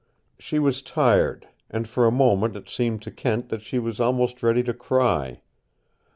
She was tired, and for a moment it seemed to Kent that she was almost ready to cry.